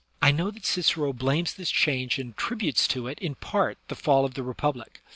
I know that Cicero blames this change and attributes to it in part the fall of the Republic.